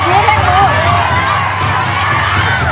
สวัสดีครับ